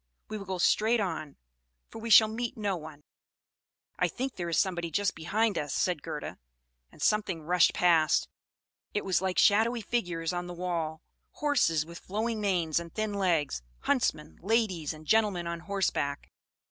We will go straight on, for we shall meet no one." "I think there is somebody just behind us," said Gerda; and something rushed past: it was like shadowy figures on the wall; horses with flowing manes and thin legs, huntsmen, ladies and gentlemen on horseback.